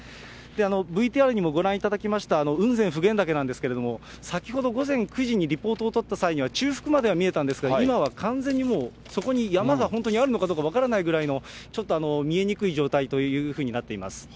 ＶＴＲにもご覧いただきました雲仙・普賢岳なんですけれども、先ほど午前９時にリポートを撮った際には、中腹までは見えたんですが、今は完全にもう、そこに山が本当にあるのかどうか分からないぐらいの、ちょっと見えにくい状態というふうになっています。